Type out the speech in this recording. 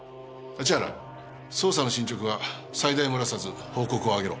立原捜査の進捗は細大漏らさず報告をあげろ。